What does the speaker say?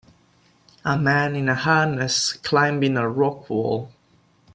a man in a harness climbing a rock wall